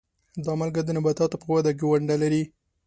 دا مالګه د نباتاتو په وده کې ونډه لري.